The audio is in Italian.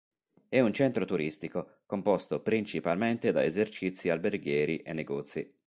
È un centro turistico, composto principalmente da esercizi alberghieri e negozi.